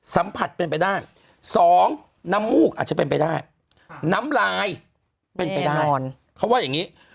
สัมผัสเป็นไปได้สองน้ำมูกอาจจะเป็นไปได้น้ำลายเป็นไปได้เขาว่าอย่างนี้